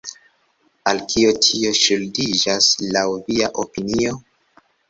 Al kio tio ŝuldiĝas, laŭ via opinio?